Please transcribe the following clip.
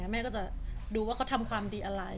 แม่ก็จะดูว่าเขาทำความดีอะไร